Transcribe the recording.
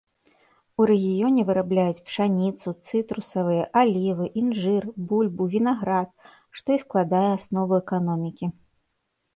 У рэгіёне вырабляюць пшаніцу, цытрусавыя, алівы, інжыр, бульба, вінаград, што і складае аснову эканомікі.